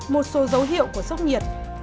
một số dấu hiệu của sốc nhiệt